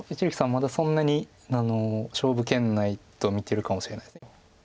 まだそんなに勝負圏内と見てるかもしれない。